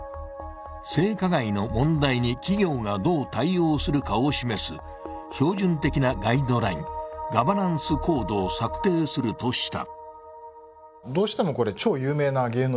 性加害の問題に企業がどう対応するかを示す標準的なガイドライン＝ガバナンスコードを策定するとした。